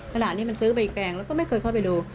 ขณะนี้มันซื้อไปอีกแปลงแล้วก็ไม่เคยเข้าไปดู